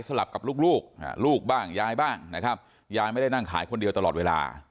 กับลูกลูกบ้างยายบ้างนะครับยายไม่ได้นั่งขายคนเดียวตลอดเวลา